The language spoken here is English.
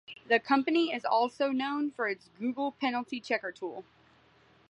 The company is also known for its Google Penalty Checker tool.